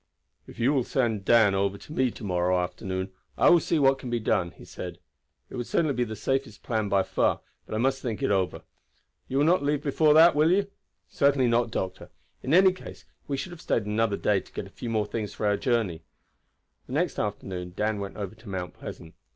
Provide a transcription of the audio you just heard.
"If you will send Dan over to me to morrow afternoon I will see what can be done," he said. "It would certainly be the safest plan by far; but I must think it over. You will not leave before that, will you?" "Certainly not, doctor. In any case we should have stayed another day to get a few more things for our journey." The next afternoon Dan went over to Mount Pleasant.